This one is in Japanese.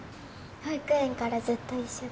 保育園からずっと一緒で。